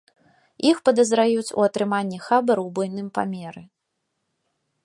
Іх падазраюць у атрыманні хабару ў буйным памеры.